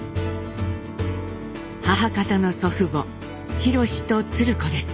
母方の祖父母廣と鶴子です。